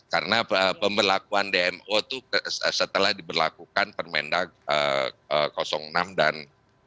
karena pemberlakuan dmo itu setelah diberlakukan permendak enam dan delapan